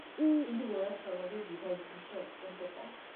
কিন্তু গোরার স্বভাবে দ্বিধা জিনিসটা অত্যন্ত কম।